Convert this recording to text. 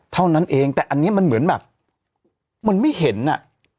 เท่านั้นเองแต่อันนี้มันเหมือนแบบมันไม่เห็นอ่ะ